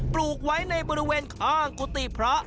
ปลูกไว้ในบริเวณข้างกุฏิพระ